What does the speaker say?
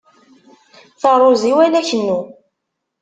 Taruẓi wala kennu.